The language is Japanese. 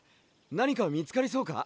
何か見つかりそうか？